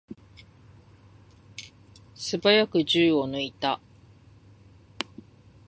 すばやく銃を抜いた。